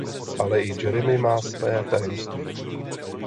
Ale i Jeremy má své tajemství.